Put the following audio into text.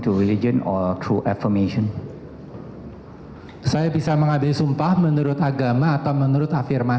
demi sang hyang adibudha